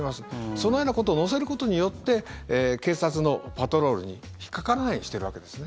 そのようなことを載せることによって警察のパトロールに引っかからないようにしてるわけですね。